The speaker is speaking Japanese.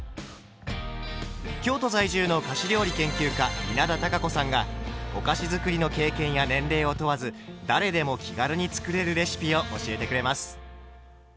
京都在住の菓子料理研究家稲田多佳子さんがお菓子づくりの経験や年齢を問わず誰でも気軽に作れるレシピを教えてくれます。